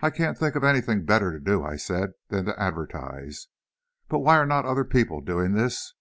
"I can't think of anything better to do," I said, "than to advertise. But why are not other people doing this?